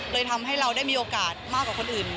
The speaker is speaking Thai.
ทำให้เราได้มีโอกาสมากกว่าคนอื่น